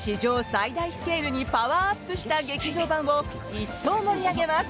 最大スケールにパワーアップした劇場版を一層盛り上げます。